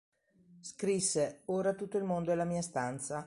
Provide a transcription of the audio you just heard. Scrisse: "Ora tutto il mio mondo è la mia stanza".